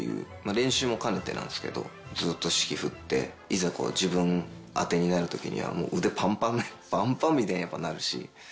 練習も兼ねてなんですけどずっと指揮振っていざ自分あてになる時には腕パンパンみたいにやっぱなるし。